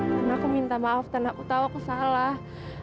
tan aku minta maaf tan aku tau aku salah